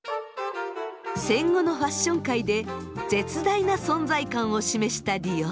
戦後のファッション界で絶大な存在感を示したディオール。